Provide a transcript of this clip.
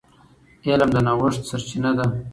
علم د نوښت سرچینه ده.